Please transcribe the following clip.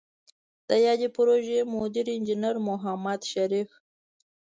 د یادې پروژې مدیر انجنیر محمد شریف